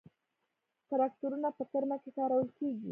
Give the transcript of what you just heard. تراکتورونه په کرنه کې کارول کیږي.